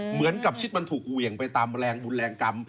เหมือนกับชิดมันถูกเหวี่ยงไปตามแรงบุญแรงกรรม